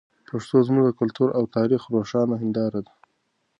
پښتو زموږ د کلتور او تاریخ روښانه هنداره ده.